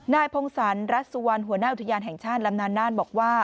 พงศรัสสุวรรณหัวหน้าอุทยานแห่งชาติลำนานน่านบอกว่า